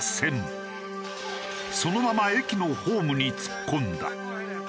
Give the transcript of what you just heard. そのまま駅のホームに突っ込んだ。